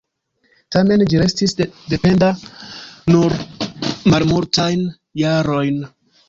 Tamen ĝi restis dependa nur malmultajn jarojn.